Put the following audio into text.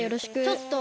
ちょっと！